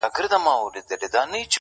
o ښكلي چي گوري، دا بيا خوره سي.